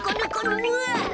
うわ。